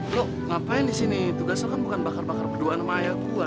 lo ngapain di sini tugas lo kan bukan bakar bakar berduaan sama ayah gua